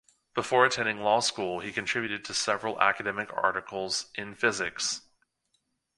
Before attending law school, he contributed to several academic articles in physics.